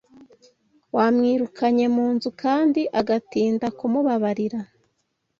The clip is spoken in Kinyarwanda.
wamwirukanye mu nzu kandi agatinda kumubabarira